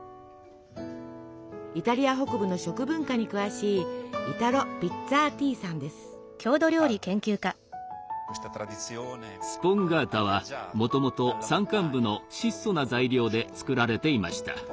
イタリア北部の食文化に詳しいスポンガータはもともと山間部の質素な材料で作られていました。